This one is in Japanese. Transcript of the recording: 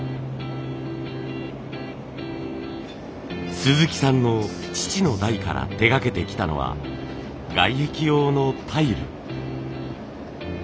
鈴木さんの父の代から手がけてきたのは外壁用のタイル。